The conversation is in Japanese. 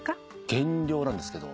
減量なんですけど。